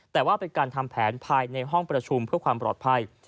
แต่ว่าเป็นการทำแผนภายในห้องประชุมเพื่อความปลอดภัย